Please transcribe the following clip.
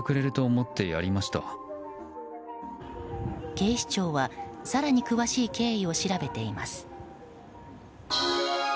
警視庁は更に詳しい経緯を調べています。